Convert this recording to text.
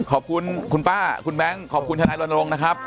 ขอบคุณคุณป้าคุณแบงค์ขอบคุณทนายรณรงค์นะครับ